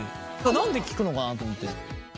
なんで聞くのかなと思って。